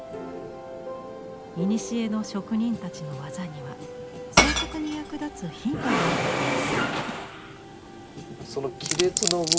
いにしえの職人たちの技には創作に役立つヒントがあるといいます。